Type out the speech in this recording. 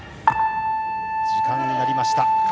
時間になりました。